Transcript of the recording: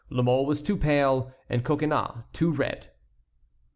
La Mole was too pale and Coconnas too red.